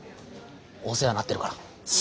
お世話になってるから。